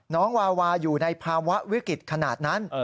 วาวาอยู่ในภาวะวิกฤตขนาดนั้น